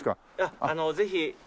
ぜひ。